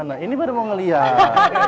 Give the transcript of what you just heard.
mana ini baru mau ngelihat